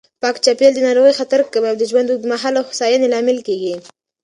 پاک چاپېریال د ناروغیو خطر کموي او د ژوند اوږدمهاله هوساینې لامل کېږي.